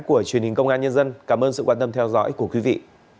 của truyền hình công an nhân dân cảm ơn sự quan tâm theo dõi của quý vị